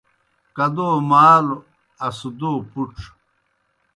کدو مالوْ، اسدو پُڇ